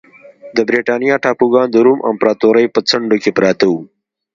د برېټانیا ټاپوګان د روم امپراتورۍ په څنډو کې پراته وو